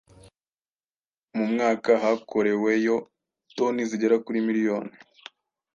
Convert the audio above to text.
Mu mwaka hakoreweyo toni zigera kuri miliyoni